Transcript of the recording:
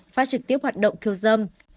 và trực tiếp hoạt động khiêu dâm